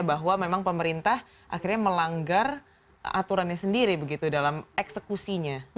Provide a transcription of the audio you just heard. bahwa memang pemerintah akhirnya melanggar aturannya sendiri begitu dalam eksekusinya